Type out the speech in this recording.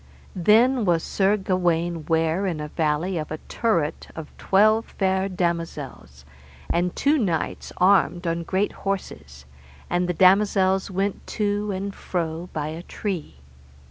Then was Sir Gawaine ware in a valley by a turret [of] twelve fair damosels, and two knights armed on great horses, and the damosels went to and fro by a tree.